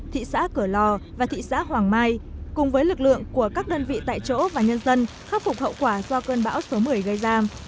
thị xã cửa lò và thị xã hoàng mai cùng với lực lượng của các đơn vị tại chỗ và nhân dân khắc phục hậu quả do cơn bão số một mươi gây ra